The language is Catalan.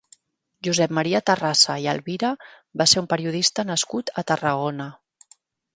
Josep Maria Tarrasa i Alvira va ser un periodista nascut a Tarragona.